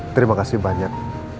terima kasih banyak